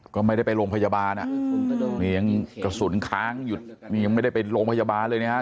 ก็ไม่ได้ไปโรงพยาบาลยังกระสุนค้างยังไม่ได้ไปโรงพยาบาลเลยนะครับ